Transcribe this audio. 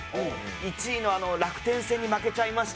「１位のあの楽天戦に負けちゃいまして」